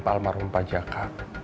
pak almarhum pajaka